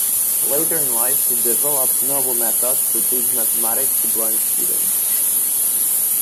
Later in life she developed novel methods to teach mathematics to blind students.